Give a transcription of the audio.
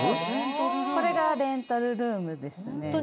これがレンタルルームですね。